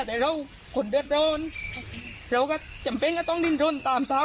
บอกได้มั้ยค่ะมันยอดเยอะมั้ย